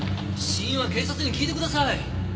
死因は警察に聞いてください！